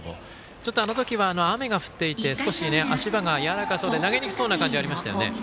ちょっとあの時は雨が降っていて少し足場がやわらかそうで投げにくそうな感じありましたよね。